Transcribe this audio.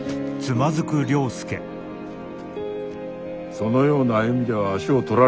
そのような歩みでは足を取られる。